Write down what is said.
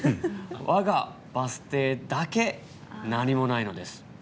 我がバス停だけ何もないのです。